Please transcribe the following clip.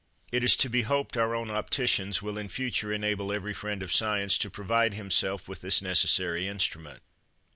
It is to be hoped our own opticians will in future enable every friend of science to provide himself with this necessary instrument.